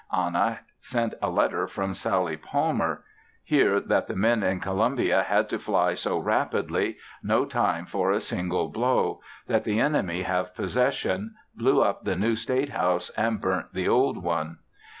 Anna sent a letter from Sallie Palmer; hear that the men in Columbia had to fly so rapidly, no time for a single blow; that the enemy have possession; blew up the new State House and burnt the old one.